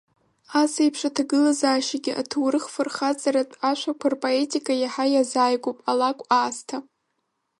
Ас еиԥш аҭагылазаашьагьы аҭоурых-фырхаҵаратә ашәақәа рпоетика иаҳа иазааигәоуп, алакә аасҭа.